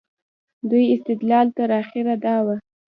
دوی استدلال تر اخره دا و.